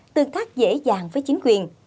tương tác dễ dàng với chính quyền